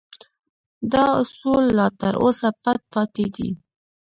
دا اصول لا تر اوسه پټ پاتې دي